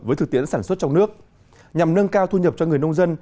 với thực tiễn sản xuất trong nước nhằm nâng cao thu nhập cho người nông dân